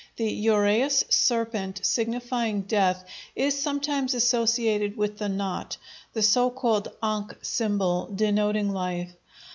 The uræus serpent, signifying death, is sometimes associated with the knot, the so called ankh symbol, denoting life.